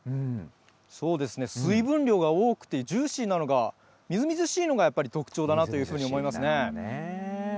そうですね、水分量が多くて、ジューシーなのが、みずみずしいのがやっぱり特徴だなというふうに思いますね。